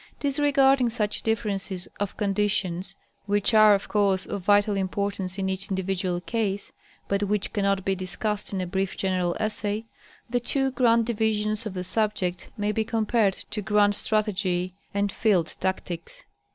Disregarding such differences of conditions (which are, of course, of vital importance in each individual case, but which cannot be discussed in a brief general essay), the two grand divisions of the subject may be compared to grand strategy and field tactics.